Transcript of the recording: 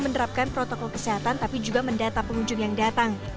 menerapkan protokol kesehatan tapi juga mendata pengunjung yang datang